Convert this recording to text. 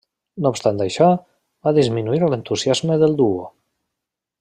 No obstant això, va disminuir l'entusiasme del duo.